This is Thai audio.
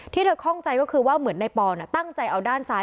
ที่เธอคล่องใจก็คือว่าเหมือนในปอนตั้งใจเอาด้านซ้าย